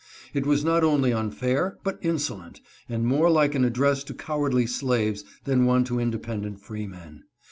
It was not only unfair, but insolent, and more like an address to cowardly slaves than one to independent freemen.